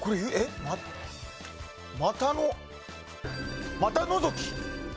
股の股のぞき。